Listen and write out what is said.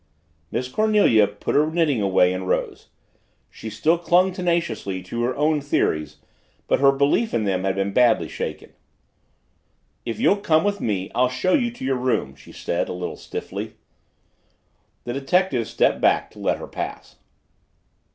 Miss Cornelia put her knitting away and rose. She still clung tenaciously to her own theories but her belief in them had been badly shaken. "If you'll come with me, I'll show you to your room," she said a little stiffly. The detective stepped back to let her pass.